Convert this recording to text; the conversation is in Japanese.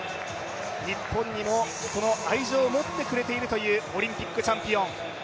日本にもその愛情を持ってくれているというオリンピックチャンピオン。